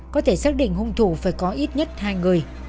có thể xác định hung thủ phải có ít nhất hai người